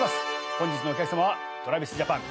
本日のお客さまはＴｒａｖｉｓＪａｐａｎ